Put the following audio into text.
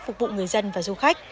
phục vụ người dân và du khách